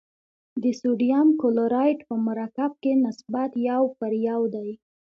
د سوډیم کلورایډ په مرکب کې نسبت یو پر یو دی.